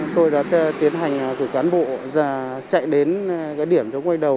tôi đã tiến hành gửi cán bộ ra chạy đến điểm chống quay đầu